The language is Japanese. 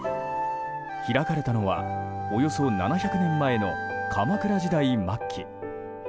開かれたのはおよそ７００年前の鎌倉時代末期。